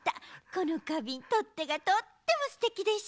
このかびんとってがとってもステキでしょ？